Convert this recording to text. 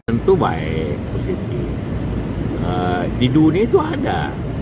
tentu baik positif di dunia itu ada